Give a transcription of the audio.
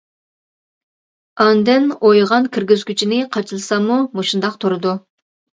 ئاندىن ئويغان كىرگۈزگۈچىنى قاچىلىساممۇ مۇشۇنداق تۇرىدۇ.